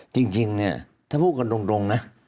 จริงเนี่ยถ้าพูดกันตรงนะ